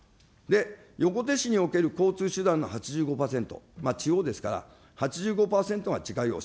横手市における交通手段の８５％、地方ですから、８５％が自家用車。